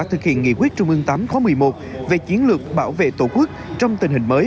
thực hiện nghị quyết trung ương viii khóa một mươi một về chiến lược bảo vệ tổ quốc trong tình hình mới